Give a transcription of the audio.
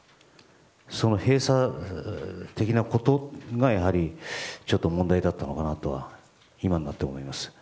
その閉鎖的なことがやはり、問題だったのかなと今になって思います。